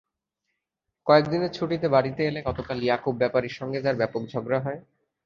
কয়েক দিনের ছুটিতে বাড়িতে এলে গতকাল ইয়াকুব ব্যাপারীর সঙ্গে তাঁর ঝগড়া হয়।